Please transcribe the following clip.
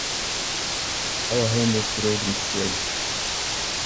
Our home is rodent free.